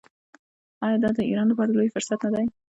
آیا دا د ایران لپاره لوی فرصت نه دی؟